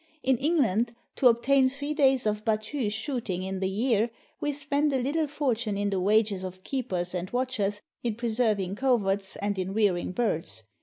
In England, to obtain three days of hattue shooting in the year, we spend a little fortune in the wages of keepers and watch ers, in preserving coverts, and in rearing birds.